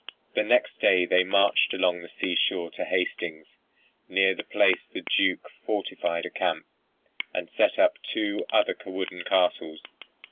"The next day they marched along the sea shore to Hastings. Near that place the Duke fortified a camp, and set up the two other wooden castles.